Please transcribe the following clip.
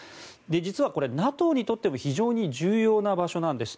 実はＮＡＴＯにとっても非常に重要な場所なんです。